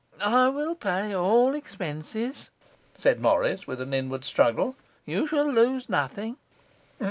'I will pay all expenses,' said Morris, with an inward struggle; 'you shall lose nothing.